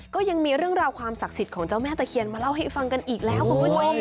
ก็ยังมีเรื่องราวความศักดิ์สิทธิ์ของเจ้าแม่ตะเคียนมาเล่าให้ฟังกันอีกแล้วคุณผู้ชม